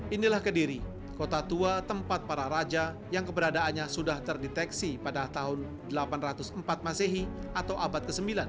inilah kediri kota tua tempat para raja yang keberadaannya sudah terdeteksi pada tahun seribu delapan ratus empat masehi atau abad ke sembilan